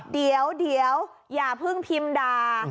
เดี๋ยวอย่าพึ่งพิมดา